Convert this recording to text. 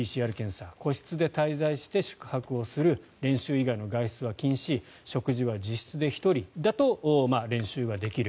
個室で滞在して宿泊する練習以外の外出は禁止食事は自室で１人だと練習ができる。